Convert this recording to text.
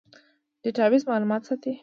ډیټابیس معلومات ساتي